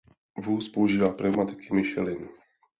Vůz používá pneumatiky Michelin.